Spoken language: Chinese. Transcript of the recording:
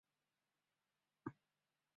细胞黏附分子中的称为的过程。